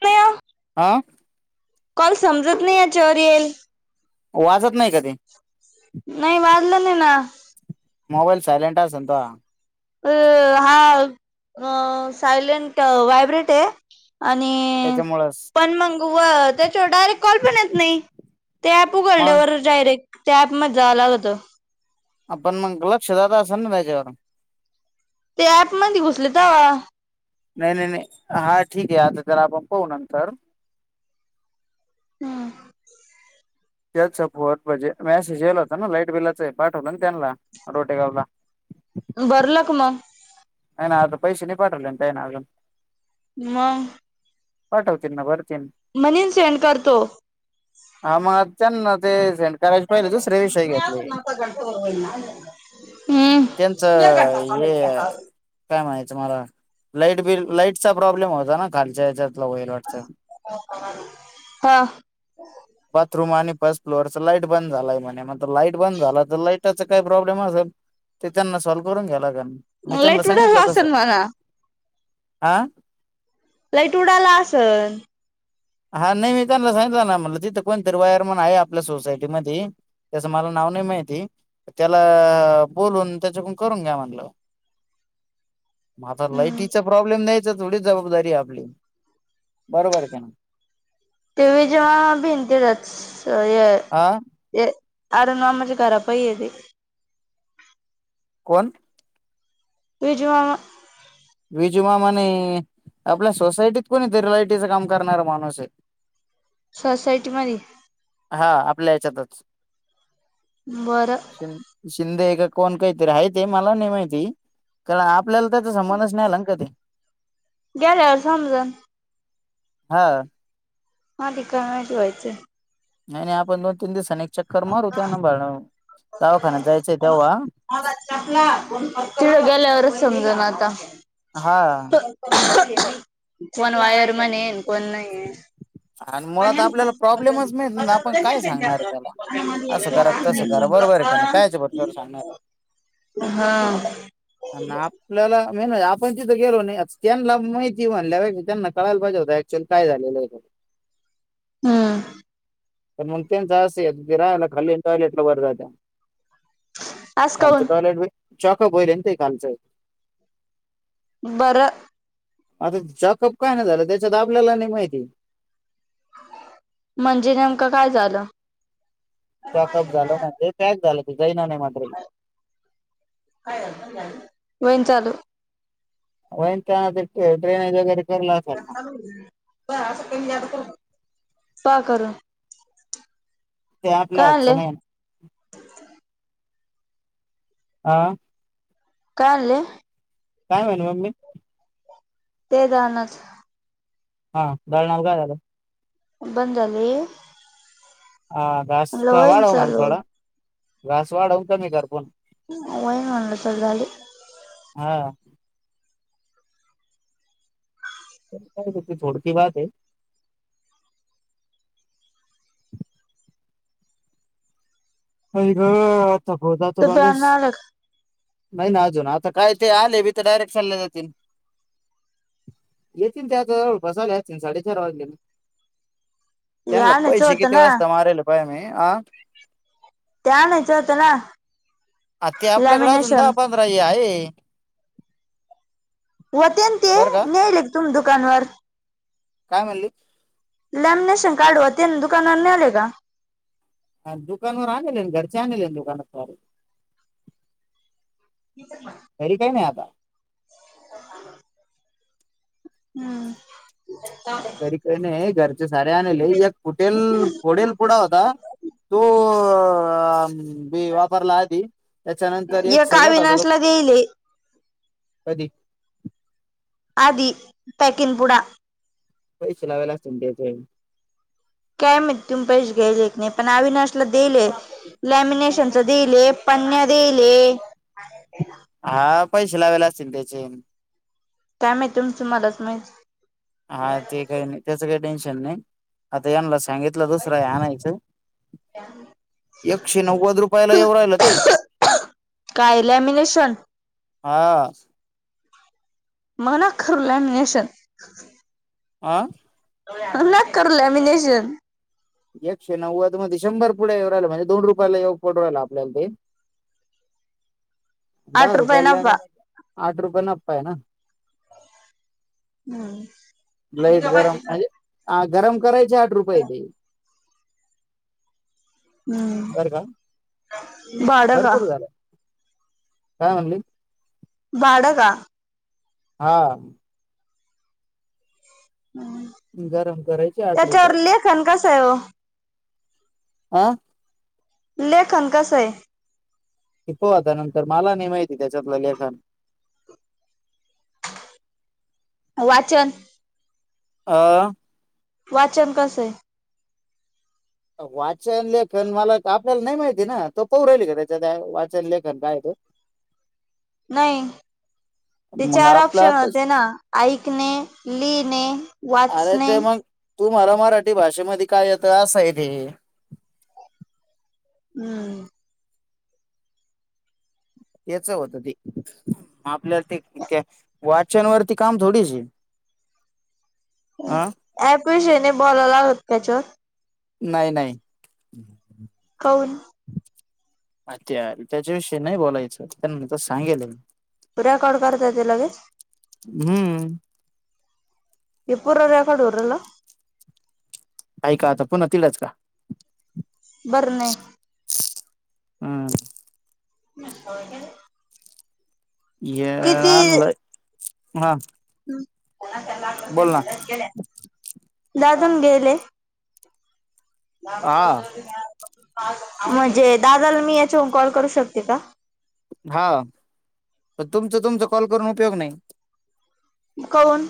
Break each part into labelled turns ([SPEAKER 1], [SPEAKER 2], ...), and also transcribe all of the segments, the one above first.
[SPEAKER 1] त्यात
[SPEAKER 2] आ
[SPEAKER 1] कॉल समजत नाही याच्यावर येइल
[SPEAKER 2] वाजत नाही का ते
[SPEAKER 1] नाही वाजलं नाही ना
[SPEAKER 2] मोबाईल सायलेंट असता
[SPEAKER 1] अ हा सायलेंट व्हायब्रेंट आहे आणि
[SPEAKER 2] त्याच्यामुळंच
[SPEAKER 1] पण मग व त्याच्यावर डायरेक्ट कॉल पण येत नाही ते ॲप
[SPEAKER 2] मग
[SPEAKER 1] उघडल्यावर डायरेक्ट त्या अँप मधे जायला होत.
[SPEAKER 2] अपण मंग लक्ष असण त्याच्यावर
[SPEAKER 1] ते ऍप मध्ये घुसले तवा
[SPEAKER 2] नाही नाही नाही हा ठीक आहे आता तर आपण पाहू नंतर
[SPEAKER 1] हम
[SPEAKER 2] त्याच फोर म्हणजे मॅसेज याला होता ना लाईट बिलाच पाठवलं ना त्यांना रोटेगावला
[SPEAKER 1] भरलं का मग
[SPEAKER 2] नाही ना आता पैसे नि पाठवले ते आहे ना अजून
[SPEAKER 1] म
[SPEAKER 2] पाठवतील ना बर
[SPEAKER 1] म्हनीन सेंड करतो
[SPEAKER 2] आम
[SPEAKER 1] झाल का नाही
[SPEAKER 2] घेतले
[SPEAKER 1] अजून असच ना कॉल हं
[SPEAKER 2] त्यांचं हे काय म्हणाचं मला लाईट बिल लाईटचा प्रॉब्लेम होता ना खालच्या ह्याच्यात
[SPEAKER 1] हा
[SPEAKER 2] बाथरूम आणि फर्स्ट फ्लोअरच लाईट बंद झालाय म्हणे मग लाईट बंद झाला तर लाईटाचा काही प्रॉब्लेम असेल ते त्यांना सॉल्व करून घ्याला
[SPEAKER 1] लय थोड असल बघा
[SPEAKER 2] आ
[SPEAKER 1] लाईट उडायला असल
[SPEAKER 2] हा नाही मी त्यांना सांगितलं ना म्हटलं तिथं कोणत वायर मन आहे आपल्या सोसायटी मध्ये त्याचं मला नाव नाही माहिती त्याला बोलून त्याच्याकून करून घ्या म्हटलं. म आता
[SPEAKER 1] हम्म
[SPEAKER 2] लाईटीचा प्रॉब्लेम नाही. थोडी जबाबदारी आपली बरोबर का ना.
[SPEAKER 1] तेी जेव्हा भिंती रच तर ये
[SPEAKER 2] हा
[SPEAKER 1] ये अर नामज खरा पई आहे त [unintelligible]
[SPEAKER 2] कोण
[SPEAKER 1] बजव आ
[SPEAKER 2] विजुमामाने आपल्या सोसायटीत कोणी लाईटीचं काम करणार माणूस आहे.
[SPEAKER 1] सोसायटी मध्ये
[SPEAKER 2] हा आपल्या हच्यातच
[SPEAKER 1] बरं.
[SPEAKER 2] शिंदे का कोण काहीतरीहाय, ते मला नाही माहिती कारण आपल्याला त्याचा संबंधच नाही आला ना का ते
[SPEAKER 1] गेल्यावर समजणं.
[SPEAKER 2] हा.
[SPEAKER 1] हा दीकर नाहीचवायचे [unintelligible]
[SPEAKER 2] नाही आपण तीन दिवसांनी- चक्कर मारू त्यांना बरं- दवाखान्यात जायचंय तेव्हा
[SPEAKER 1] ि गेलेवर [unintelligible] समजं ना आता.
[SPEAKER 2] हा
[SPEAKER 1] ह. कोण वायरमन? पण नाही
[SPEAKER 2] आणि
[SPEAKER 1] पण
[SPEAKER 2] मुळात आपल्याला प्रॉब्लेमच माहित नाही आपण काय सांगणार त्याला असं करा तसं करा बरोबर आहे का नाही कायच्या भरोश्यावर सांगणार
[SPEAKER 1] हा [unintelligible]
[SPEAKER 2] म आपण तिथं गेलो नाही, त्यांना माहिती म्हणल्या त्यांना कळायला पाहिजे होत काय झालेलं
[SPEAKER 1] हम्.
[SPEAKER 2] मग ते असं ते राहायला खाली येत आणि टॉयलेटला वरती जातात-
[SPEAKER 1] असं
[SPEAKER 2] त्यांच
[SPEAKER 1] काऊन
[SPEAKER 2] टॉयलेट चक बहिले ते काांचं [unintelligible] [unintelligible]
[SPEAKER 1] बरं.
[SPEAKER 2] आता चाँकअप काय नाय झालं, त्याच्यात आपल्याला नाही माहिती.
[SPEAKER 1] म्हणजे नेमकं काय झालं?
[SPEAKER 2] चोकअप झालं म्हणजे पॅक झालं. जा [unintelligible]
[SPEAKER 1] काय? [unintelligible] वहीन चालू.
[SPEAKER 2] वईन त ड्रेनेज वैगरे
[SPEAKER 1] [inaudible] का करून,
[SPEAKER 2] ते आपल्या
[SPEAKER 1] काय
[SPEAKER 2] हातच
[SPEAKER 1] आणले
[SPEAKER 2] नई. आ.
[SPEAKER 1] कायले [unintelligible]
[SPEAKER 2] काय म्हणू?
[SPEAKER 1] ते जा नच [unintelligible]
[SPEAKER 2] हा दळनाल काय झालं?
[SPEAKER 1] बंद झाले.
[SPEAKER 2] हा घास का वाडव म्हण थोडा, घास वाढव कमी कर फोन.
[SPEAKER 1] वयनलंचल झाली
[SPEAKER 2] हा कळालं ते थोडकी बाात आहे आई ग थकवतात तो
[SPEAKER 1] तू
[SPEAKER 2] माणूस
[SPEAKER 1] प्यान आलं
[SPEAKER 2] नाही ना अजून आता काय ते आले बीथ डायरेक्ट चालायला जातील येतील जवळपास आले असतील साडेचार वाजले
[SPEAKER 1] हे
[SPEAKER 2] त्यांना
[SPEAKER 1] आणायचं
[SPEAKER 2] पैसे
[SPEAKER 1] होतं
[SPEAKER 2] किती
[SPEAKER 1] ना
[SPEAKER 2] वाजता माराल होय मी
[SPEAKER 1] ते आणयचं होत ना
[SPEAKER 2] आता ते आपल्याकडे अजून
[SPEAKER 1] लॅमिनेशन
[SPEAKER 2] दहा पंधरा आहे [inaudible]
[SPEAKER 1] होतेंनं ते
[SPEAKER 2] बरं का
[SPEAKER 1] नेले तुम्ही दुकानवर
[SPEAKER 2] काय म्हणली
[SPEAKER 1] लॅमिनेशन कार्ड व ते दुकानाला नेले का
[SPEAKER 2] दुकानवर आणलेले आहे घरच्या आणले दुकान तारे
[SPEAKER 1] [inaudible]
[SPEAKER 2] तरी काही नाही आता
[SPEAKER 1] [inaudible] हम्
[SPEAKER 2] घरी काय नाही घर सारे आणले फुटलं फोड पुढा होता तो आ मी वापरला आधी त्याच्यानंतर एक सगट होता तो
[SPEAKER 1] अविनाशला देईले
[SPEAKER 2] कधी
[SPEAKER 1] आधी पॅकिंग पुडा
[SPEAKER 2] पैसे लावायला असतील त्याच्या याने
[SPEAKER 1] काय माहित तुम्ही पैश घ्यायल की नाही पण अविनाशला दिले लॅमिनेशनच देले पणण्या देले
[SPEAKER 2] हा पैसे लावेला असतील त्याचे
[SPEAKER 1] काय माहि तुमचु मलाच माहित
[SPEAKER 2] हा ते काही नाही त्याच काही टश नाही आता सांगितलं दुसर हयच एकशे नव्वद रुपयाला एव राहिल ते
[SPEAKER 1] काय लॅमिनेशन
[SPEAKER 2] हां
[SPEAKER 1] मना खरलामशन
[SPEAKER 2] आह
[SPEAKER 1] नाही कर ललेमिनेशन
[SPEAKER 2] एकशे नव्वद मध्ये शंभर पुढे येऊ राहिला म्हणजे दोन रुपयाला येऊ पडू राहिला आपल्याला ते
[SPEAKER 1] आठ
[SPEAKER 2] दहा
[SPEAKER 1] रुपये
[SPEAKER 2] रुपय ल
[SPEAKER 1] नफा
[SPEAKER 2] नाही आठ रुपया ना आहे ना
[SPEAKER 1] हम्म
[SPEAKER 2] लाईट गरम म्हणजे गधरम करायचे आठ रुपये ते
[SPEAKER 1] हम्म
[SPEAKER 2] बरं का
[SPEAKER 1] ह बाळ का
[SPEAKER 2] भरपूर झालं काय म्हणली
[SPEAKER 1] बाडग
[SPEAKER 2] हा
[SPEAKER 1] ह
[SPEAKER 2] गरम करायचे आठ रुपये
[SPEAKER 1] त्याच्यावर लेखन कस आहे हो ह
[SPEAKER 2] आह
[SPEAKER 1] लखनकास आहे
[SPEAKER 2] किपोहता नंतर मला नाही माहिती त्याच्यातलं लेखन
[SPEAKER 1] वाचन
[SPEAKER 2] आह
[SPEAKER 1] वाचन कसं आहे
[SPEAKER 2] वाचन लेखन मला आपल्याला नाही माहिती ना तो पौ राहिल का त्याच्या त्या वाचन लेखन काय आहे तो
[SPEAKER 1] नाही ते चार
[SPEAKER 2] आपला
[SPEAKER 1] ऑप्शन
[SPEAKER 2] आता-
[SPEAKER 1] होते ना ऐकणे लिणे वाचणे
[SPEAKER 2] तुम्हाला मराठी भाषेमध्ये काय येत असाय ते
[SPEAKER 1] हम्म
[SPEAKER 2] त्याच होत ते आपल्या ते त्या वाचन वरती काम थोडीशी
[SPEAKER 1] पैशेने बोलायला होत त्याच्यात
[SPEAKER 2] नाही नाही
[SPEAKER 1] कौन
[SPEAKER 2] अ त्या त्याच्याविषयी नाही बोलायचं त्यां तर सांगेल
[SPEAKER 1] तू रेकॉर्ड करता ते लगेच
[SPEAKER 2] हम्म
[SPEAKER 1] एपरर्याखडरल
[SPEAKER 2] ऐका आता पुन्हा तिलाच का
[SPEAKER 1] बरणे
[SPEAKER 2] हम्
[SPEAKER 1] म स
[SPEAKER 2] येलं हा
[SPEAKER 1] हम [unintelligible]
[SPEAKER 2] बोल ना
[SPEAKER 1] झालं अजून गेले [unintelligible]
[SPEAKER 2] हा
[SPEAKER 1] म्हणजे दादाला मी याच्यावरून कॉल करू शकते का?
[SPEAKER 2] हा तुमचं तुमच कॉल करून उपयोग नाही.
[SPEAKER 1] काऊन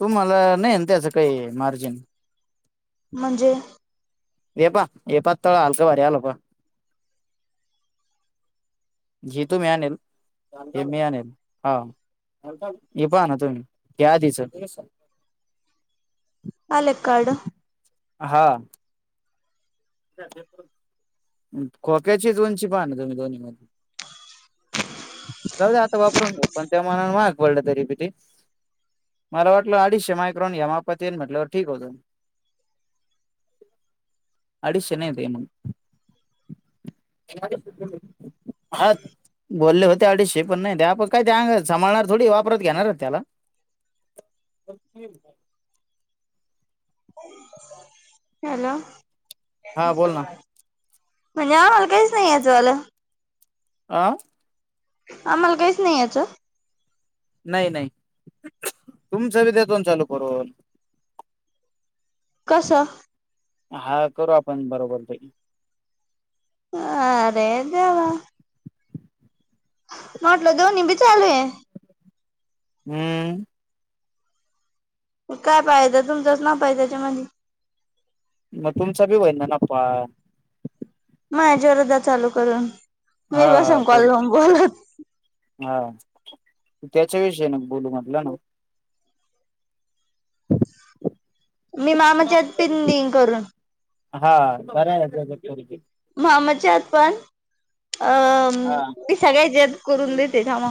[SPEAKER 2] तुम्हाला नाहीन त्याचं काही मार्जिन
[SPEAKER 1] म्हणजे
[SPEAKER 2] ए पा ए पा त हलकं भारी आल पहा जी तुम्ही आणील हे मी आणल हा हे पहा ना तुम्ही घ्या आधीच
[SPEAKER 1] आले कार्ड
[SPEAKER 2] हा. खोक्याचीच उंची पाहाना तुम्ही दोन्ही मधे जाऊ द आता वापरून घेऊ पण ते मनानं महाग पडलं तरी बी ते मला वाटलं अडीचशे मायक्रोन या मापात येनन म्हटल्यावर ठीक होतं. अडीशे नाही ते हा बोलले होते अडीचशे पण नाही ते आपण काय ते अ सांभाळणार थोडी वापरत घेणार त्याला
[SPEAKER 1] हॅलो
[SPEAKER 2] हा बोल ना
[SPEAKER 1] [unintelligible] [unintelligible]
[SPEAKER 2] आं
[SPEAKER 1] आम्हाला काहीच नाही याचं
[SPEAKER 2] नाही नाही तुमच बी देतोन चालू करून
[SPEAKER 1] कसं
[SPEAKER 2] हा करू आपण बरोबर
[SPEAKER 1] ह अरे देवा म्हटलं दोन्ही बी चालूये
[SPEAKER 2] हम्म.
[SPEAKER 1] मग काय पाहायचं तुमचच नाव पाहिजे त्याच्यामध्ये
[SPEAKER 2] मग तुमचा बी होहिना ना पा
[SPEAKER 1] माझ्यारोधात चालू करून
[SPEAKER 2] हा
[SPEAKER 1] मी बसून कॉल
[SPEAKER 2] करू
[SPEAKER 1] लावून बोलत
[SPEAKER 2] हा त्याच्याविषयी नग बोलू म्हटलं ना [inaudible]
[SPEAKER 1] मी मामाच्यात पिंडिंग करून
[SPEAKER 2] हा बरय [unintelligible]
[SPEAKER 1] मामाच्यात पण अ
[SPEAKER 2] हा
[SPEAKER 1] ती सगळे जत करून देते जमा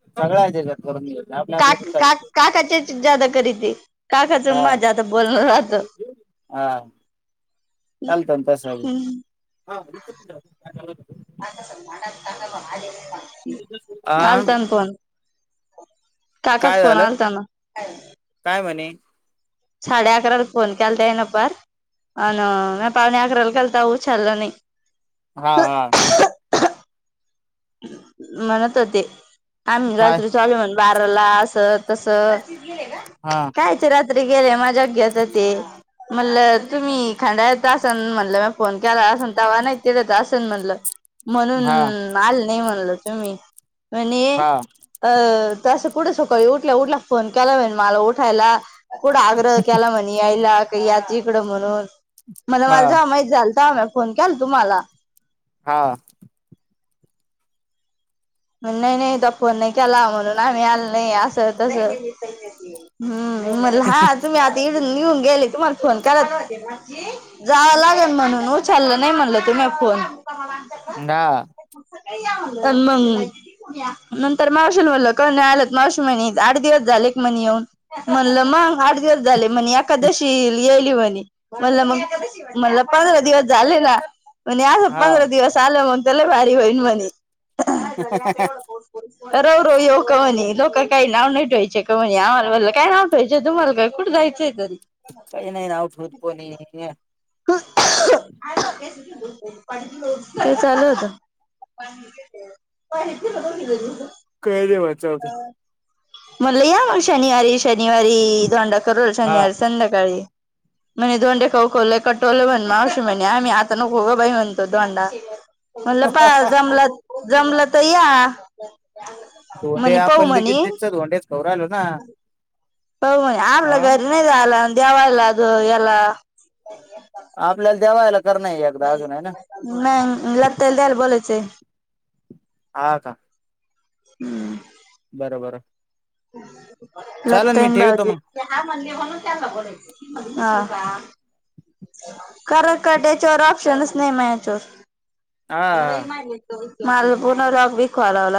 [SPEAKER 2] सगळ्या आहे तेजात करून घे
[SPEAKER 1] का का का त्याचे जादा करीते काकाचं
[SPEAKER 2] हा
[SPEAKER 1] माजा आता बोलण राहत.
[SPEAKER 2] काम पण तासाई
[SPEAKER 1] [unintelligible]
[SPEAKER 2] आ
[SPEAKER 1] आलता ना फोन काकाच
[SPEAKER 2] काय
[SPEAKER 1] फोन
[SPEAKER 2] झालं
[SPEAKER 1] आलताना
[SPEAKER 2] काय म्हणे
[SPEAKER 1] साडे अकराला फोन केलाता ह्यान पार अन म्या पावणे अकराला केलता उचलला नाही.
[SPEAKER 2] हा हा
[SPEAKER 1] म्हणत होते आमही
[SPEAKER 2] काय
[SPEAKER 1] रात्री चाले म्हण बारला असं तस
[SPEAKER 2] हा
[SPEAKER 1] कायच र गेले माझ्या घ्याेत ते म्हणल तुम्ही खांडा येत असन म्हणल म फोन केला असून तवा नाही तेत असन म्हणलं म्हणून
[SPEAKER 2] हा
[SPEAKER 1] नाही म्हणल तुम्ही मण
[SPEAKER 2] हा
[SPEAKER 1] अ त असं कुठे सकाळी उठल्या उठला फोन केलाईन मला उठायला कुड आग्रह के्याला मनीयला काही यात्रीकडं म्हणून मला मालाझ
[SPEAKER 2] हा
[SPEAKER 1] हमाही झालं का म फोन केला तुम्हाला
[SPEAKER 2] हा
[SPEAKER 1] नाही नाही त फोन नाही केला म्हणून आम्ही आल नाही असं तस हम्म मला हा तुम्ही आता ये निऊन गेली तुम्हाला फोन करत जावं लागेल म्हणून उचललं नाही म्हणलं तुम्ही फोन
[SPEAKER 2] द
[SPEAKER 1] न मग नंतर मावश म्हणल क नाही आलं मावशी म्ह आठ दिवस झाले एक म्हण येऊन म्हणलं मंग आठ दिवस झाले म्हण एखादशी येल म्हण मग म्हण पंधरा दिवस झाले ना म्हणजे आजं
[SPEAKER 2] हा
[SPEAKER 1] पंधरा दिवस आलं मग त्याला भारी होईन म्ह झा एवढं कोर्स रव रव येऊ कवनी लोक काही नाव नाही ठेवायचे कवनी आम्हालाला काय नाव ठेवायचं तुम्हाला काय कुठं जायचं
[SPEAKER 2] काही नाहीय ना आउठवत पो नाहीे
[SPEAKER 1] चालू होत
[SPEAKER 2] काय देवा चलते
[SPEAKER 1] म्हणलं या मग शनिवारी शन शनिवारी धोंडा करू
[SPEAKER 2] हा
[SPEAKER 1] शनिवारी संध्याकाळी म्हणे दोंडे खऊ ख कटोलं म्हण म अवशी म्हणे आम्ही आता न खो बाई म्हणतो दोांडा म्हणलं पा जमला जमलं तर या
[SPEAKER 2] धोंडे
[SPEAKER 1] म्हणे पाहू
[SPEAKER 2] आपण
[SPEAKER 1] म्हणे
[SPEAKER 2] बघित धोंडे ग राहिलो ना
[SPEAKER 1] हो म आपला
[SPEAKER 2] हा
[SPEAKER 1] घरी नाही झाला दे्यावयला अ एला
[SPEAKER 2] आपल्या द्यावायला
[SPEAKER 1] नाही लग तला द्याला बोलायचे
[SPEAKER 2] हा का
[SPEAKER 1] हम्म
[SPEAKER 2] बरोबर
[SPEAKER 1] हम लताईन बावजी
[SPEAKER 2] मग
[SPEAKER 1] म्हण कर कट याच्यार ऑप्शनस न म याच्याोर
[SPEAKER 2] हा
[SPEAKER 1] मला
[SPEAKER 2] हा
[SPEAKER 1] रही माहि मालपूर्ण रॉग बी खवालावला